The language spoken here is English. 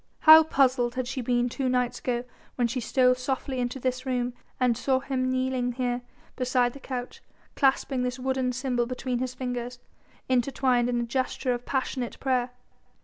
How puzzled she had been two nights ago when she stole softly into this room and saw him kneeling here beside the couch, clasping this wooden symbol between his fingers intertwined in a gesture of passionate prayer.